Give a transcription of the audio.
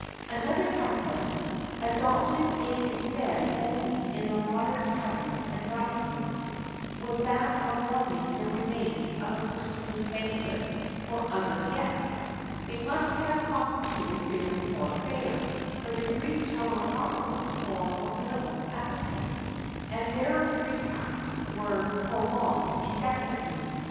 Another custom (adopted it is said only in the modern taverns and dining rooms) was that of warming the remains of a preceding banquet for other guests.[XXXIV 5] It must have constituted very poor fare, for the Greeks were remarkable for a formidable appetite, and their repasts were prolonged indefinitely.